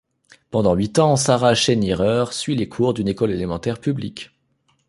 Pendant huit ans, Sarah Schenirer suit les cours d'une école élémentaire publique.